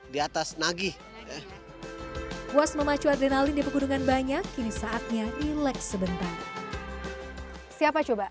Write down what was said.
diatas nagih was memacu adrenalin di pegunungan banyak kini saatnya rileks sebentar siapa coba